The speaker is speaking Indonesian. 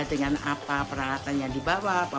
dengan apa peralatan yang dibawa